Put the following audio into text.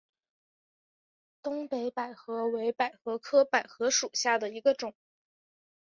东北百合为百合科百合属下的一个种。